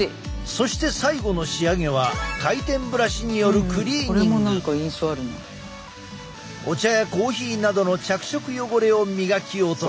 そして最後の仕上げは回転ブラシによるお茶やコーヒーなどの着色汚れを磨き落とす。